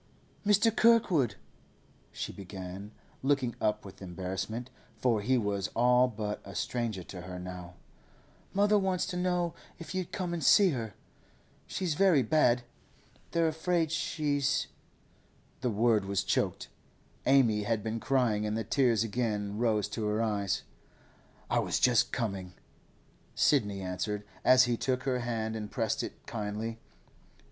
'Mr. Kirkwood,' she began, looking up with embarrassment, for he was all but a stranger to her now, 'mother wants to know if you'd come and see her. She's very bad; they're afraid she's—' The word was choked. Amy had been crying, and the tears again rose to her eyes. 'I was just coming,' Sidney answered, as he took her hand and pressed it kindly.